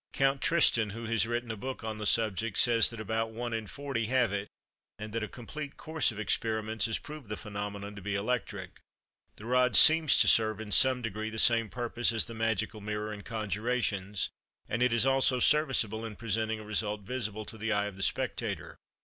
Count Tristan, who has written a book on the subject, says that about one in forty have it, and that a complete course of experiments has proved the phenomenon to be electric. The rod seems to serve, in some degree, the same purpose as the magical mirror and conjurations, and it is also serviceable in presenting a result visible to the eye of the spectator.